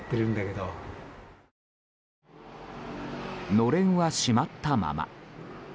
のれんは閉まったまま。